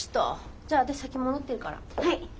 じゃあ私先戻ってるから。